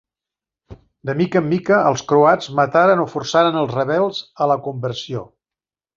De mica en mica els croats mataren o forçaren els rebels a la conversió.